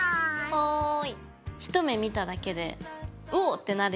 はい。